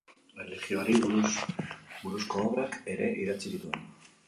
Erlijioari buruzko obrak ere idatzi zituen.